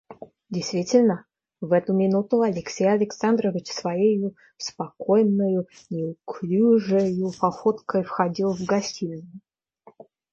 Действительно, в эту минуту Алексей Александрович своею спокойною, неуклюжею походкой входил в гостиную.